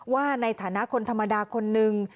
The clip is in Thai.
ว่าในฐานะคนธรรมดาคนนึง